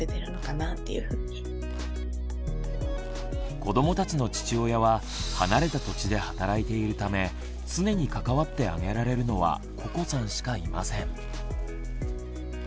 子どもたちの父親は離れた土地で働いているため常に関わってあげられるのはここさんしかいません。